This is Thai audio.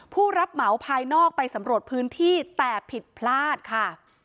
ผู้รับเหมาภายนอกไปสำรวจพื้นที่แต่ผิดพลาดค่ะ